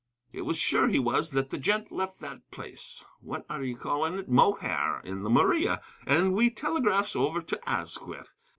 It was sure he was that the gent left that place, what are ye calling it? Mohair, in the Maria, and we telegraphs over to Asquith.